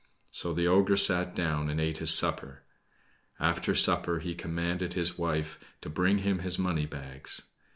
So the ogre sat down and ate his supper. After supper, he commanded his wife to bring him his money bags.